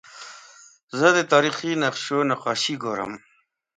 زه د تاریخي نقشو نقاشي ګورم.